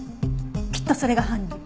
きっとそれが犯人。